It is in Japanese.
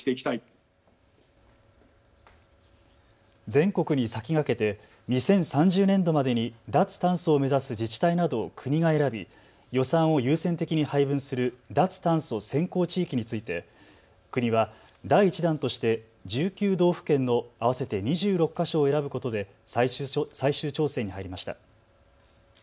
全国に先駆けて２０３０年度までに脱炭素を目指す自治体などを国が選び予算を優先的に配分する脱炭素先行地域について国は第１弾として１９道府県の合わせて２６か所を選ぶことで最終調整に入りました。